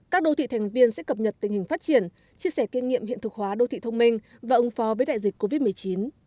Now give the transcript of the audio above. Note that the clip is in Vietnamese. các đô thị thành viên sẽ cập nhật tình hình phát triển chia sẻ kinh nghiệm hiện thực hóa đô thị thông minh và ứng phó với đại dịch covid một mươi chín